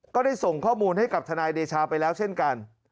ก็ได้ส่งข้อมูลให้กับทนายเดชาไปแล้วเช่นกัน